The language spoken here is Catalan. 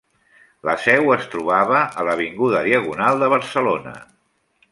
La seu es trobava a l'avinguda Diagonal de Barcelona.